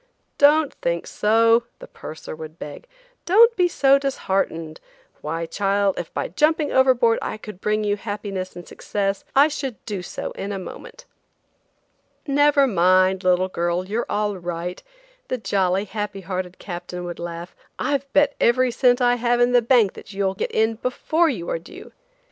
"Don't think so," the purser would beg; "don't be so disheartened; why, child, if by jumping overboard I could bring you happiness and success, I should do so in a moment." "Never mind, little girl, you're all right," the jolly, happy hearted captain would laugh. "I've bet every cent I have in the bank that you'll get in before you are due.